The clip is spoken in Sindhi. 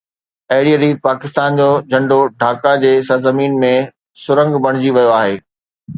اهڙيءَ ريت پاڪستان جو جهنڊو ڍاڪا جي سرزمين ۾ سرنگهه بڻجي ويو آهي